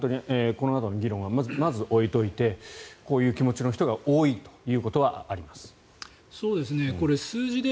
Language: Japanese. このあとの議論はまず置いておいてこういう気持ちの人が多いというのはあります。